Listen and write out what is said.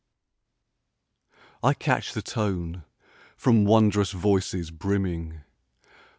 He. I catch the tone from wondrous voices brimming.